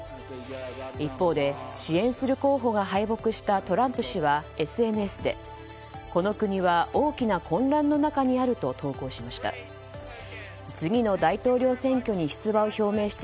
一方で支援する候補が敗北したトランプ氏はＳＮＳでこの国は大きな混乱の中にあると投稿しました。